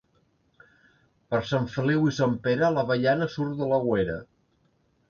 Per Sant Feliu i Sant Pere l'avellana surt de l'ouera.